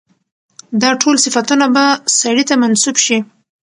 دا ټول صفتونه به سړي ته منسوب شي.